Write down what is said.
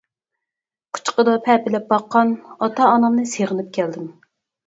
قۇچىقىدا پەپىلەپ باققان، ئاتا-ئانامنى سېغىنىپ كەلدىم.